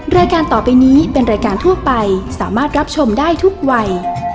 รายการต่อไปนี้เป็นรายการทั่วไปสามารถรับชมได้ทุกวัย